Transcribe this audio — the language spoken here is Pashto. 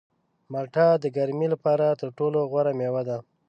مالټه د ګرمۍ لپاره تر ټولو غوره مېوه ده.